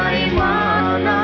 aku kesempatan untuk memelukmu lagi